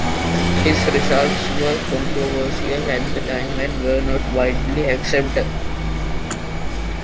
His results were controversial at the time and were not widely accepted.